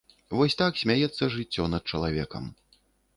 Вось так смяецца жыццё над чалавекам.